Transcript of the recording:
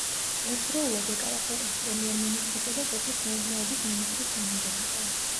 ერთდროულად ეკავა ქვეყნის პრემიერ-მინისტრისა და სოფლის მეურნეობის მინისტრის თანამდებობა.